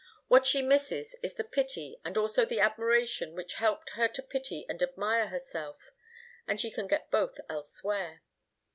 What she misses is the pity and also the admiration which helped her to pity and admire herself, and she can get both elsewhere.